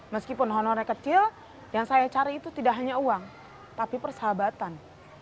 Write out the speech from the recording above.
meskipun honornya kecil yang saya cari itu tidak hanya uang tapi persahabatan